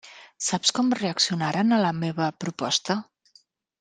Saps com reaccionaren a la meua proposta?